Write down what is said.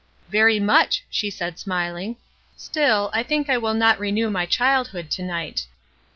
''Very much," she had said, smiling. ''Still, I think I will not renew my childhood to night."